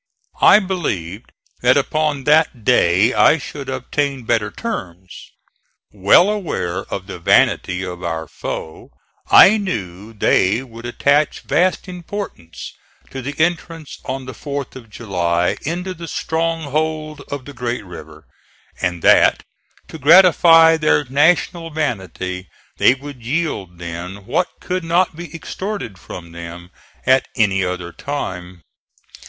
I believed that upon that day I should obtain better terms. Well aware of the vanity of our foe, I knew they would attach vast importance to the entrance on the 4th of July into the stronghold of the great river, and that, to gratify their national vanity, they would yield then what could not be extorted from them at any other time."